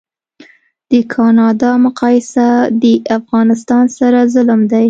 د کانادا مقایسه د افغانستان سره ظلم دی